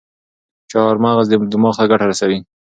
چارمغز دماغ ته ګټه رسوي.